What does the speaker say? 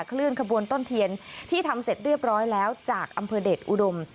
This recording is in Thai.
เคลื่อนขบวนต้นเทียนที่ทำเสร็จเรียบร้อยแล้วจากอำเภอเดชอุดม